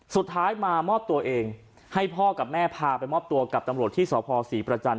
สุดท้ายมามอบตัวเองให้พ่อกับแม่พาไปมอบตัวกับตำรวจที่สพศรีประจันท